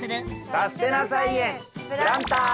「さすてな菜園プランター」！